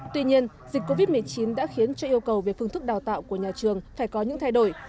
tuy nhiên dịch covid một mươi chín đã khiến cho yêu cầu về phương thức đào tạo của nhà trường phải có những thay đổi